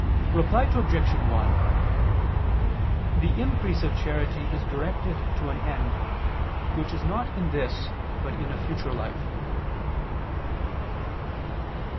Reply Obj. 1: The increase of charity is directed to an end, which is not in this, but in a future life.